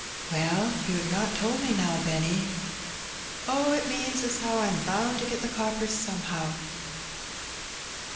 "Well, you 'ave not told me now, Benny." "Oh, it means as how I'm bound to get the coppers somehow."